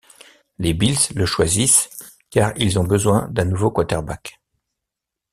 Les Bills le choisissent car ils ont besoin d'un nouveau quarterback.